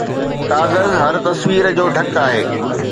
ڪاغذ هر تصوير جو ڍڪ آهي